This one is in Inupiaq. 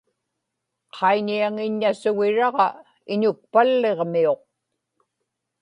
qaiñiaŋiññasugiraġa iñukpalliġmiuq